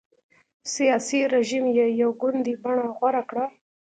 سیاسي رژیم یې یو ګوندي بڼه غوره کړه.